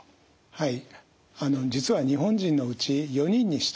はい。